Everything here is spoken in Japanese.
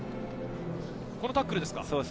このタックルですか？